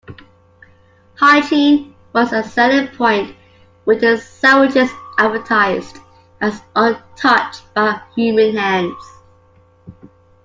Hygiene was a selling point, with the sandwiches advertised as "untouched by human hands".